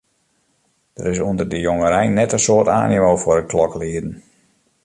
Der is ûnder de jongerein net in soad animo foar it kloklieden.